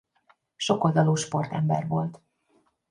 Sokoldalú sportember volt.